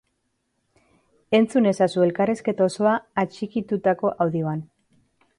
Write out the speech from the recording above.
Entzun ezazu elkarrizketa osoa atxikitutako audioan.